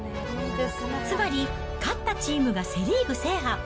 つまり、勝ったチームがセ・リーグ制覇。